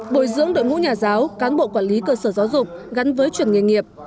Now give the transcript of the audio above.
bồi dưỡng đội ngũ nhà giáo cán bộ quản lý cơ sở giáo dục gắn với chuẩn nghề nghiệp